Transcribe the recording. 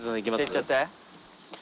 いっちゃって。